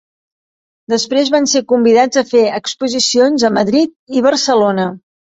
Després van ser convidats a fer exposicions a Madrid i Barcelona.